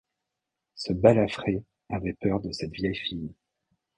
Ce balafré avait peur de cette vieille fille.